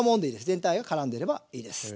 全体がからんでればいいです。